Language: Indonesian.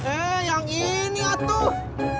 eh yang ini atuh